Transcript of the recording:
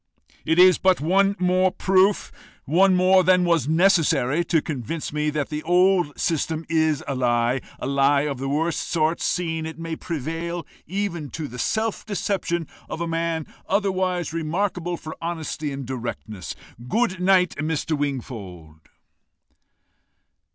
"It is but one more proof more than was necessary to convince me that the old system is a lie a lie of the worst sort, seeing it may prevail even to the self deception of a man otherwise remarkable for honesty and directness. Good night, Mr. Wingfold."